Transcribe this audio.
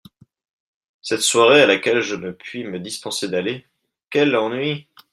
Cette soirée à laquelle je ne puis me dispenser d’aller… quel ennui !